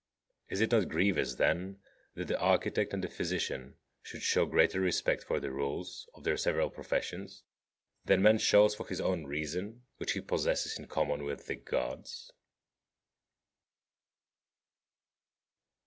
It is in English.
Is it not grievous, then, that the architect and the physician should shew greater respect for the rules of their several professions, than man shews for his own reason, which he possesses in common with the Gods?